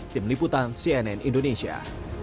tim liputan cnn indonesia